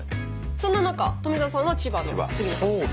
そんな中富澤さんは千葉の杉野さん。